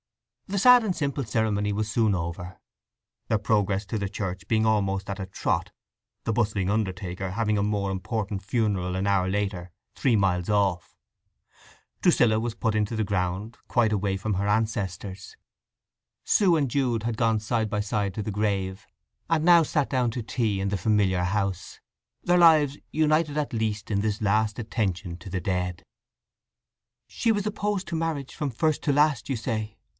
The sad and simple ceremony was soon over, their progress to the church being almost at a trot, the bustling undertaker having a more important funeral an hour later, three miles off. Drusilla was put into the new ground, quite away from her ancestors. Sue and Jude had gone side by side to the grave, and now sat down to tea in the familiar house; their lives united at least in this last attention to the dead. "She was opposed to marriage, from first to last, you say?"